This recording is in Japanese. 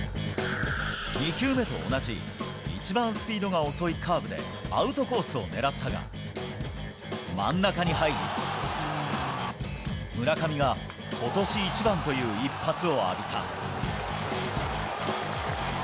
２球目と同じ一番スピードが遅いカーブでアウトコースを狙ったが、真ん中に入り、村上がことし一番という一発を浴びた。